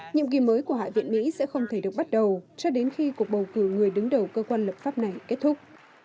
nhiệm kỳ mới của hạ viện mỹ sẽ không thể được bắt đầu cho đến khi cuộc bầu cử người đứng đầu cơ quan lập pháp này kết thúc